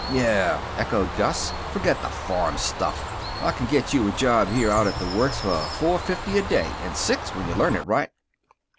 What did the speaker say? "Yeh," echoed Gus, "forget the farm stuff. I can get you a job here out at the works for four fifty a day, and six when you learn it right."